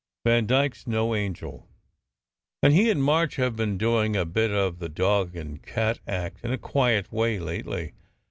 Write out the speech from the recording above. Vandyke s no angel, and he and March have been doing a bit of the cat and dog act in a quiet way lately.